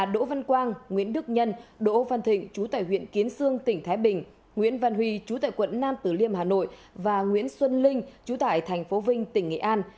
đỗ văn quang nguyễn đức nhân đỗ văn thịnh chú tại huyện kiến sương tỉnh thái bình nguyễn văn huy chú tại quận nam tử liêm hà nội và nguyễn xuân linh chú tại thành phố vinh tỉnh nghệ an